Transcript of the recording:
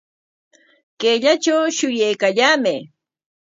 Kayllatraw shuyaykallaamay